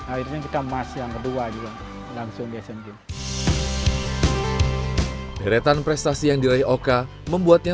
akhirnya kita masih yang kedua juga langsung di smg heretan prestasi yang diraih oka membuatnya